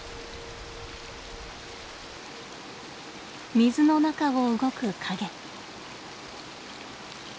水の中を動く影。